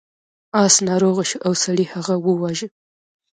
اس ناروغ شو او سړي هغه وواژه.